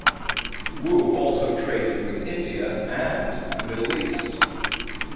Wu also traded with India and the Middle East.